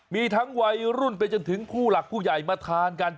มีทั้งวัยรุ่นไปจนถึงผู้หลักผู้ใหญ่มาทานกัน